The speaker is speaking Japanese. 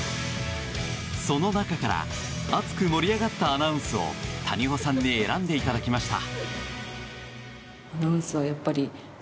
その中から熱く盛り上がったアナウンスを谷保さんに選んでいただきました。